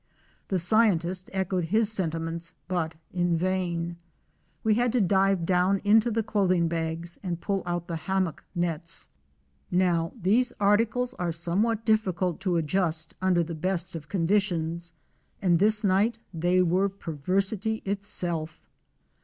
The scientist echoed his sentiments but in vain. We had to dive down into the clothing bags and pull out the hammock nets. Now these articles are some what difficult to adjust under the best of conditions and this night they were perversity itself.